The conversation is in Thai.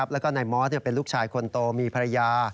แล้วก็นายมอสเป็นลูกชายคนโตมีภรรยา